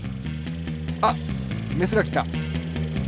あっメスがきた！